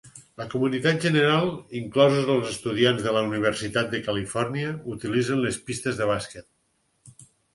La comunitat general, inclosos els estudiants de la Universitat de Califòrnia, utilitzen les pistes de bàsquet.